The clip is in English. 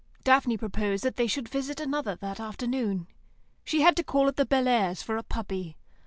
Daphne proposed that they should visit another that afternoon. She had to call at the Bellairs' for a puppy.